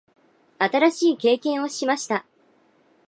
新しい経験をしました。